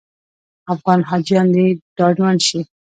افغان حاجیان دې ډاډمن شي.